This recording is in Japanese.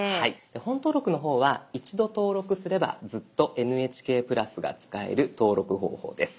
「本登録」の方は一度登録すればずっと「ＮＨＫプラス」が使える登録方法です。